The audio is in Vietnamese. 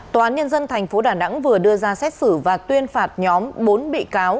tòa án nhân dân tp đà nẵng vừa đưa ra xét xử và tuyên phạt nhóm bốn bị cáo